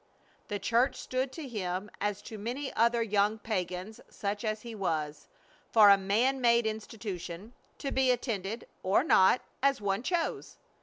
The church stood to him as to many other young pagans such as he was, for a man made institution, to be attended or not as one chose.